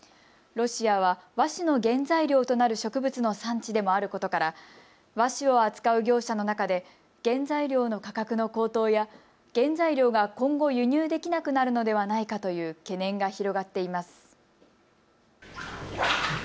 ロシアは和紙の原材料となる植物の産地でもあることから和紙を扱う業者の中で原材料の価格の高騰や原材料が今後、輸入できなくなるのではないかという懸念が広がっています。